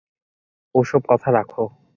ও-সব কথা রাখো।